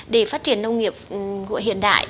để phát triển nông nghiệp hiện đại